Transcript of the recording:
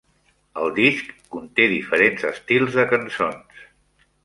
El disc conté diferents estils de cançons.